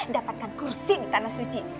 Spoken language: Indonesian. dapatkan kursi di tanah suci